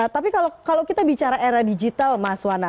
tapi kalau kita bicara era digital mas wana